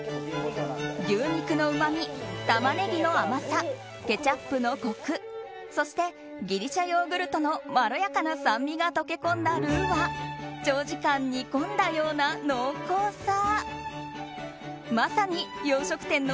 牛肉のうまみ、タマネギの甘さケチャップのコクそしてギリシャヨーグルトのまろやかな酸味が溶け込んだルーは長時間煮込んだような濃厚さ。